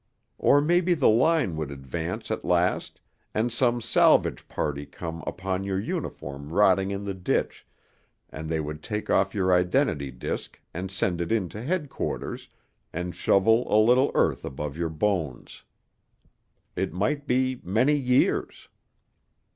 Or maybe the line would advance at last, and some salvage party come upon your uniform rotting in the ditch, and they would take off your identity disk and send it in to Headquarters, and shovel a little earth above your bones. It might be many years....